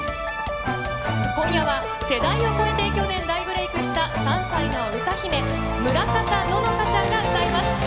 今夜は、世代を超えて去年大ブレークした３歳の歌姫、村方乃々佳ちゃんが歌います。